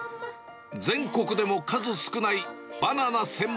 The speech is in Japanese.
全国でも数少ないバナナ専門